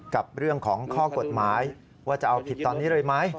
กับเรื่องของข้อกฎหมายว่าจะเอาผิดตอนนี้เลยไหม